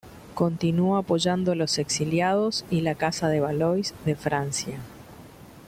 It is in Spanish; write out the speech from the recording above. Continuó apoyando a los exiliados y la Casa de Valois de Francia.